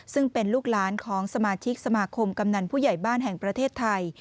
ซึ่งเป็นลูกหลานของสมาชิกสมาคมกำนันผู้ใหญ่บ้านแห่งประเทศไทย